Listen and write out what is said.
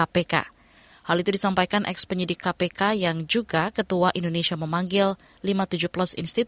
pertama kali kita berkahwin